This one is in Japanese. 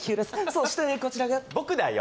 そしてこちらが僕だよ